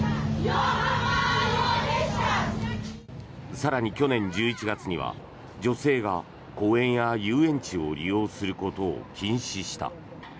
更に、去年１１月には女性が公園や遊園地を利用することを禁止した。